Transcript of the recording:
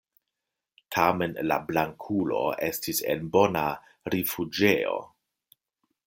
Tamen la Blankulo estis en bona rifuĝejo.